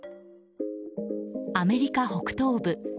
アメリカ北東部